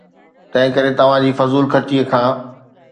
تنهنڪري توهان جي فضول خرچي کان.